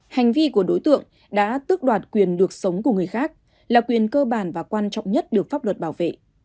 hành vi của đối tượng đã tước đoạt quyền được sống của người khác là quyền cơ bản và quan trọng nhất được pháp luật bảo vệ